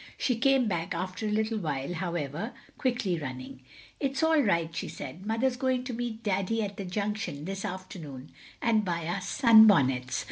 She came back after a little while, however, quickly running. "It's all right," she said. "Mother's going to meet Daddy at the Junction this afternoon and buy us sunbonnets.